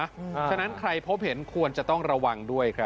เพราะฉะนั้นใครพบเห็นควรจะต้องระวังด้วยครับ